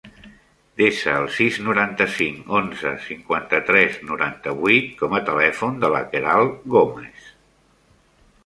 Desa el sis, noranta-cinc, onze, cinquanta-tres, noranta-vuit com a telèfon de la Queralt Gomes.